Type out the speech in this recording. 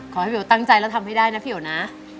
ขอให้เบลตั้งใจแล้วทำให้ได้นะพี่โอนะ